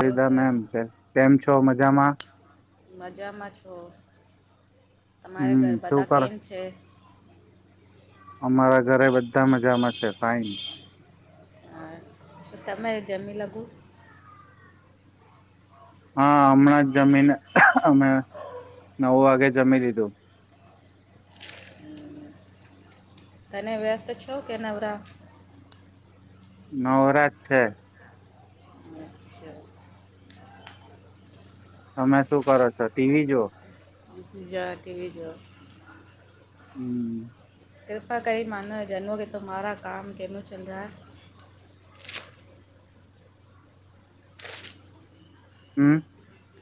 Hello sir ma'am કેમ છો? મજામાં? મજામાં છું, તમારે હમ ઘર શું બધા કર કેમ છે? અમારા ઘરે બધા મજામાં છે ફાઈન તમેય જમી લાગું હા હમણાં જ જમીને અમે નવ વાગે જમી લિધું તને વ્યસ્ત છો કે નવરા નવરાજ છે અચ્છા તમે શું કરો છો ટીવી જુઓ જા ટીવી જો [unintelligible] કૃપા કરી મને [unintelligible] કે તુમ્હારા કામ કેનો ચલરહા હું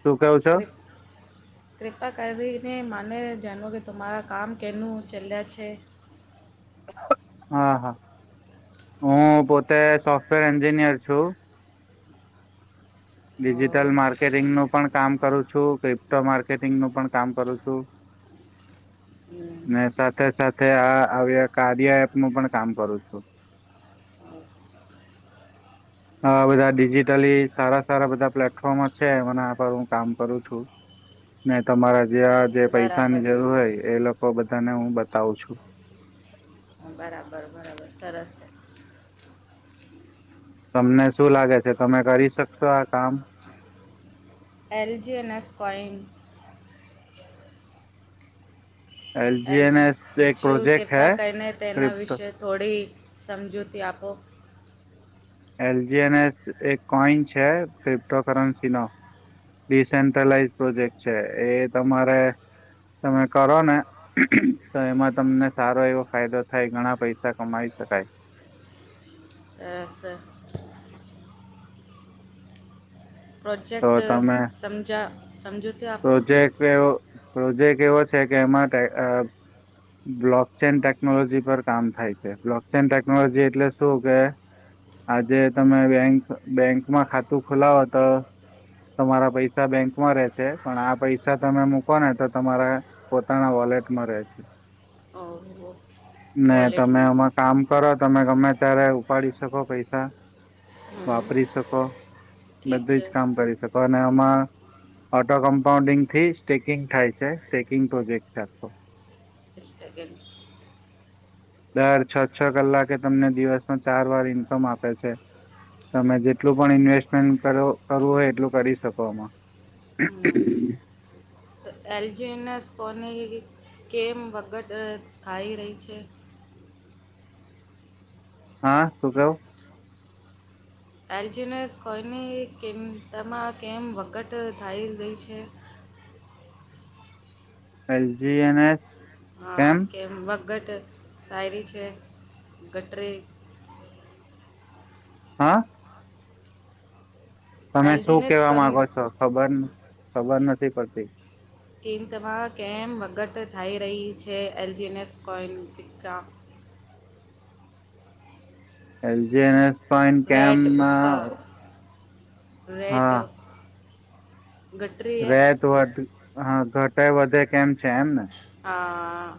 શું કઉ છો કૃપ- કૃપા કરીને મને [unintelligible] કે તમારા કામ કેનું ચલ્યા છે હા હા હું પોતે સોફ્ટવેર એન્જીિનિયર છું ઓ ડિજિટલ માર્કેટિંગનું પણ કામ કરું છું [unintelligible] માર્કેટિંગ નું પણ કામ કરું છું હમ, ને સાથે સાથ [unintelligible] આ કાર્યા એપનું પણ કામ કરું છું ઓ, આવા બધા ડિજીિટલી સારા સારા બધા પ્લેટફોમો છે [unintelligible] પર હું કામ કરું છું ને તમારા જે આ જે પૈસાની બરાબર જરૂર હોય એ લોકો બધાને હું બતાવું છું હ બરાબર બરાબર સરસ તમને શું લાગે છે તમે કરી શકશો આ કામ L G N S coin L જયુ એલજીએનએસ એક જયું પ્રોજેક્ટ કૃપા હૈ કહીને તેના ક્રિપ્ટો વિશે થોડી સમજૂતી આપો એલ જી એન એસ એક કોઈન છે ક્રિપ્ટો કરન્સીનો ડિસેન્ટ્રલાઈઝ પ્રોજેક્ટ છે એ તમારે તમે કરો ને તો એમાં તમને સારો એવો ફાયદો થાય ઘણા પૈસા કમાવી શકાય અરછા તો પ્રોજેક્ટ તમે સમજા સમજૂતા પ્રોજેક્ટ એવો પ્રોજેક્ટ એવો છે કે એમાં બ્લોક ચેન ટેકનોલોજી પર કામ થાય છે બ્લોક ચેન ટેકનોલોજી એટલે શું કે આજે તમે બેંક બેંકમાં ખાતું ખોલાવો તો તમારા પૈસા બેંકમાં રહેશે પણ આ પૈસા તમે મૂકો ને તો તમારા પોતાના વોલેટમાં રે છે ઓહો ના તમે વોલેટમાં અમાં કામ કરો તમે ગમે ત્યારે ઉપાડી શકો પૈસા હમ વાપરી શકો ઠીક બધું જ છે કામ કરી શકો અને અમાં કમ્પાઉન્ડિંગથી સ્ટેકિંગ થાય છે સ્ટેકિંગ પ્રોજેક્ટ છે આખો [unintelligible] દર છ છ કલાકે તમને દિવસમાં ચાર વાર ઇન્કમ આપે છે તમે જેટલું પણ ઇન્વેસ્ટમેન્ટ કર કરવું હોય એટલું કરી શકો આમાં હમ [inaudible] તો એલજીનએસ કોને કેમ વગત થાઈ રહી છે હા શું કવ એલ્જનેસ કોઈની કિંતામાં કેમ વકટ થઈ રહી છે એલ જી એન એસ હા કેમ વટ તાયરી છે ગટરી હા તમે શું એલજીને કેવા કોની માંગો છો ખબર ખબર નથી પડતી [unintelligible] વગત થાઈ રહી છે એલજીએનએસ કોયન સિક્કા L G N S coin કેમ રેટ ના ઉસકા રેટ ઘટ રહી રેટ વધ હા ઘટે વધે કેમ છે એમ ને હા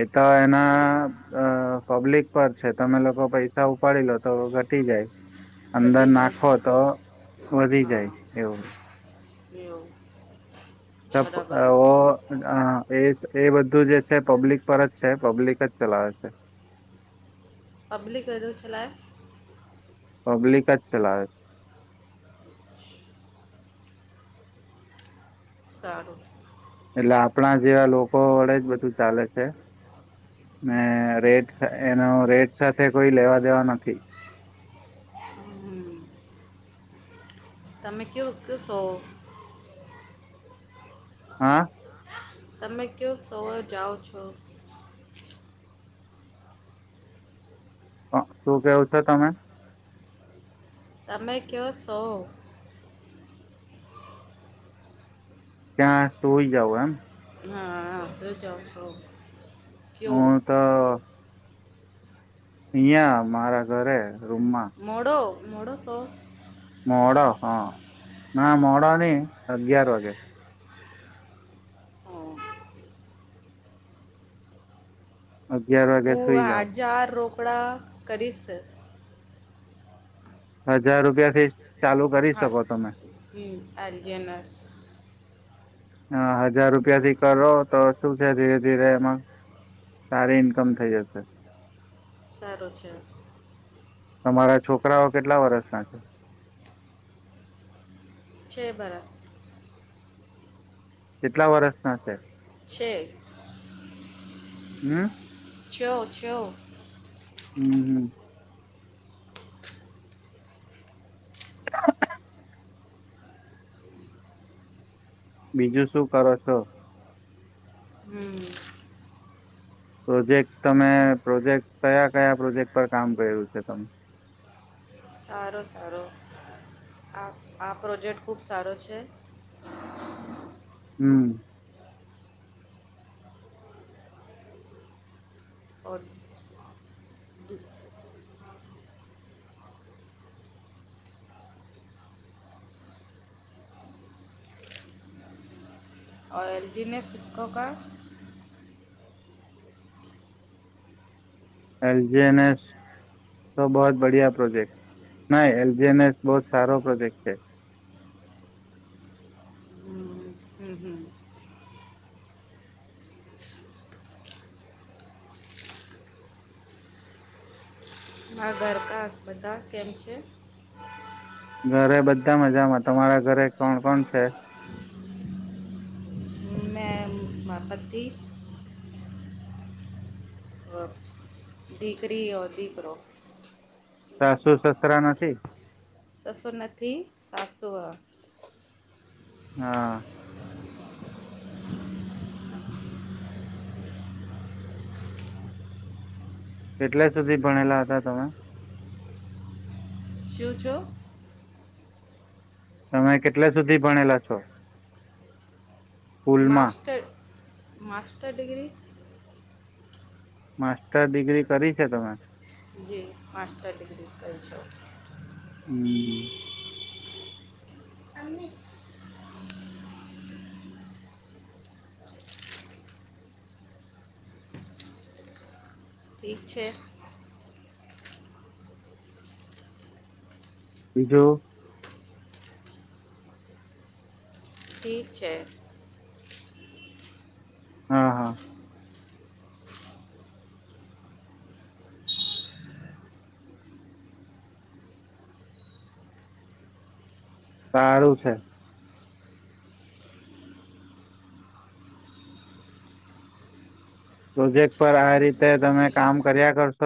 એ તો એના હમ્મ અ પબ્લિક પર છે તમે લોકો પૈસા ઉપાડી લો તો તટી જાય અંદર ઘટી જાય નાખો તો વધી જાય હા એવું [unintelligible] તબ બરાબર હે. ઓ એ એ બધું જે છે પબ્લિક પર જ છે પબ્લિક જ ચલાવે છે પબ્લિક વધ છેલા પબ્લિક જ ચલાવે છે સારું એટલે આપણા જેવા લોકો વડે જ બધું ચાલે છે, ને રેટ એનો રેટ સાથે કોઈ લેવા દેવા નથી. હમ. તમે કેવુંક સો? હા? તમે કયો સોર જાઓ છો? શું કેવું છો તમે? તમે કો શો? ત્યાં સોઈ જાવ એમ? હા ચ છો ક [unintelligible] હા. અહં મારા ઘરે રૂમમાં. મોડો મોડોસો? મોડ હા ના મોડ નને અગિયાર વાગે. હમ. અગિયાર વાગે હું સુઈ જાવ હજાર રોકડા કરીશ. હજાર રૂપિયા થી ચાલુ કરી શકો તમે. હ એલજએનસ. હ હજાર રૂપિયા થી કરો તો શું છે ધીરે ધીરે એમાં સારી ઈન્કમ થઈ જશે. સારું છે. તમારા છોકરાઓ કેટલા વર્ષ ના છે? છે બરસ. કેટલા વર્ષનાશે? છ હમ છ. હમ હમ. બીજું શું કરો છો? હમ. પ્રોજેક્ટ તમે પ્રોજેક્ટ કયા કયા પ્રોજેક્ટ પર કામ કર્યું છે તમે? સારો સારો, આ આ પ્રોજેક્ટ ખૂબ સારો છે. હમ. ઓ ઓ એલજીીને શિક્ખકો કા [unintelligible] એલ જી એન એસ. તો બહ જ બડિયા પ્રોજેક્ટ ના એલ જી એન એસ બહુ સારો પ્રોજેક્ટ છે. હમ હમ હમ. હ દ્વારકા હસ્પતા કેમ છે? ઘરે બધા મજામાં તમારા ઘરે કોણ કોણ છે? મે મારા પતિ. દીકરીઓ દીકરો. સાસું સસરા નથી? સાસુર નથી સાસુ હ. હા. કેટલા સુધી ભણેલા હતા તમે? છું છો? તમે કેટલા સુધી ભણેલા છો સ્કૂલમાં master master degree. Master degree કરી છે તમે. જી માાસ્ટર ડિગ્રી કરી છે હમ. અમી. ઠીક છે. બી જુ. ઠીક છે. હા હા. સારું છે. પ્રોજેક્ટ પર આ રીતે તમે કામ કર્યા કરશો